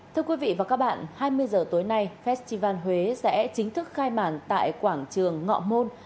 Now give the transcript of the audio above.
thưa quý vị và các bạn hai mươi h tối nay festival huế sẽ chính thức khai mạc tại quảng trường ngọ môn